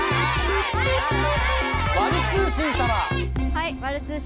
はい。